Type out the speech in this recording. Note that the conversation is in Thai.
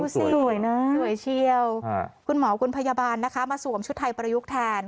สวยนะสวยเชียวคุณหมอคุณพยาบาลนะคะมาสวมชุดไทยประยุกต์แทน